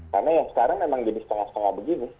karena ya sekarang memang jadi setengah setengah begini